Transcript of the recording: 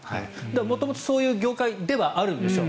元々そういう業界ではあるんでしょう。